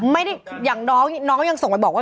ไม่ได้อย่างน้องอย่างส่งไปบอกว่า